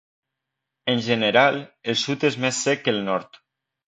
En general, el sud és més sec que el nord.